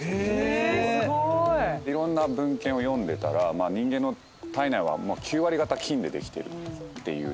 いろんな文献を読んでたら人間の体内は９割方菌でできてるっていう。